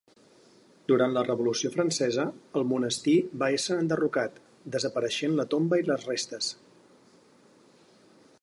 Durant la Revolució francesa el monestir va ésser enderrocat, desapareixent la tomba i les restes.